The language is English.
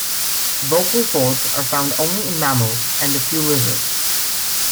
Vocal folds are found only in mammals, and a few lizards.